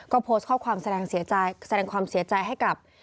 ก็โพสต์ข้อความแสดงความเสียใจให้กับ